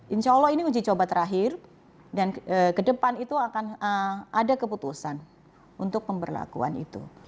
insya allah ini uji coba terakhir dan ke depan itu akan ada keputusan untuk pemberlakuan itu